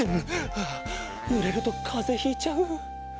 ぬれるとかぜひいちゃう。